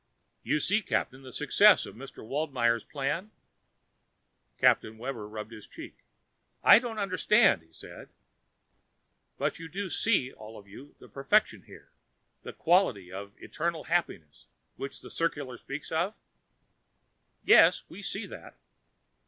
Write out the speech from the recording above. "You see, Captain, the success of Mr. Waldmeyer's plan?" Captain Webber rubbed his cheek. "I don't understand," he said. "But you do see, all of you, the perfection here, the quality of Eternal Happiness which the circular speaks of?" "Yes ... we see that."